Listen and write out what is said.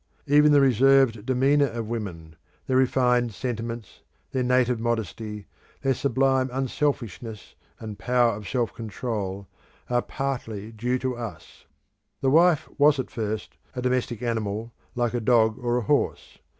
Even the reserved demeanour of women, their refined sentiments, their native modesty, their sublime unselfishness, and power of self control are partly due to us. The wife was at first a domestic animal like a dog or a horse.